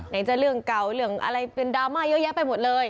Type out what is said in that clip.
ไหนจะเรื่องเก่าเรื่องอะไรเป็นดราม่าเยอะแยะไปหมดเลย